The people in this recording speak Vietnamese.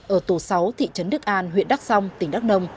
ở tù sáu thị trấn đức an huyện đắc song tỉnh đắc nông